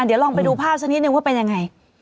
เดี๋ยวลองไปดูภาพสักนิดนึงว่าเป็นยังไง